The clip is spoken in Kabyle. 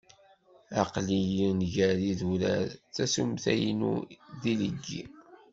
Aqel-iyi-n gar yidurar, tasumta-inu d ileggi.